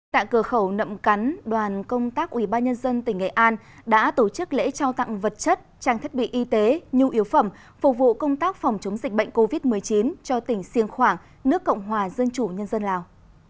tại cửa khẩu nậm cắn đoàn công tác ubnd tỉnh nghệ an đã tổ chức lễ trao tặng vật chất trang thiết bị y tế nhu yếu phẩm phục vụ công tác phòng chống dịch bệnh covid một mươi chín cho tỉnh siêng khoảng nước cộng hòa dân chủ nhân dân lào